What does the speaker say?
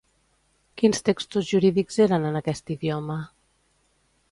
Quins textos jurídics eren en aquest idioma?